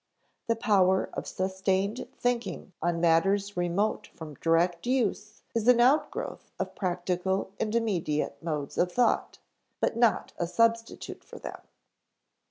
The power of sustained thinking on matters remote from direct use is an outgrowth of practical and immediate modes of thought, but not a substitute for them.